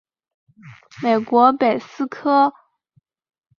美国北科罗拉多大学小号演奏硕士及理论作曲博士。